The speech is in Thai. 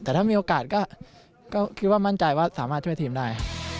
แต่ถ้ามีโอกาสก็คิดว่ามั่นใจว่าสามารถช่วยทีมได้